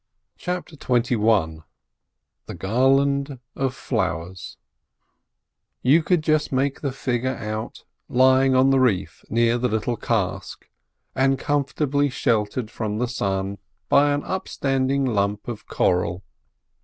CHAPTER XXI THE GARLAND OF FLOWERS You could just make the figure out lying on the reef near the little cask, and comfortably sheltered from the sun by an upstanding lump of coral.